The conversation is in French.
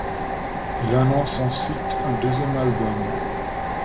Il annonce ensuite un deuxième album, '.